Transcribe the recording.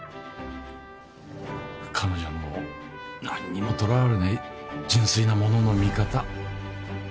彼女の何にもとらわれない純粋なものの見方